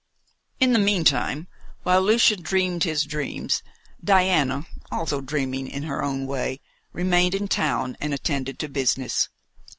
In the meantime, while Lucian dreamed his dreams, Diana, also dreaming in her own way, remained in town and attended to business.